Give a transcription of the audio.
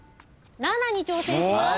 ７に挑戦します。